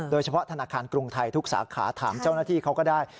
ธนาคารกรุงไทยทุกสาขาถามเจ้าหน้าที่เขาก็ได้